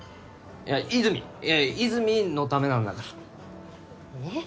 いや和泉和泉のためなんだからえっ？